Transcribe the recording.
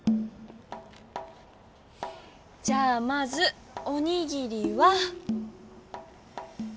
じゃあまずおにぎりは。